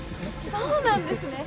そうなんですね。